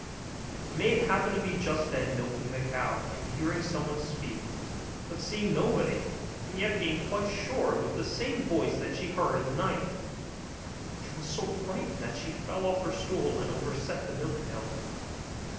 The maid happened to be just then milking the cow; and hearing someone speak, but seeing nobody, and yet being quite sure it was the same voice that she had heard in the night, she was so frightened that she fell off her stool, and overset the milk pail.